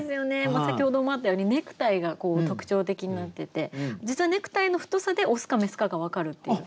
先ほどもあったようにネクタイが特徴的になってて実はネクタイの太さでオスかメスかが分かるっていう。